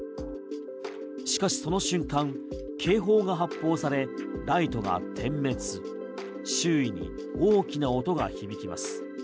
しかし、その瞬間警報が発報されライトが点滅周囲に大きな音が響きます。